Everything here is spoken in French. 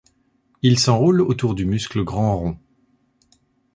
Il s'enroule autour du muscle grand rond.